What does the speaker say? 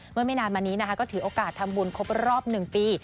ไม่นานมานี้นะคะก็ถือโอกาสทำบุญครบรอบ๑ปี